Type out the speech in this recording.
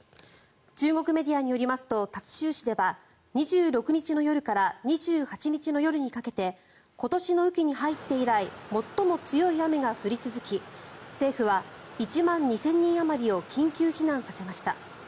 中国メディアによりますと達州市では２６日の夜から２８日の夜にかけて今年の雨期に入って以来最も強い雨が降り続き政府は１万２０００人あまりを緊急避難させました。